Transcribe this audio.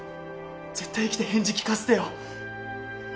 絶対生きて返事聞かせてよ。